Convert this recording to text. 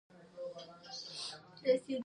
زراعت د افغان ښځو په ژوند کې رول لري.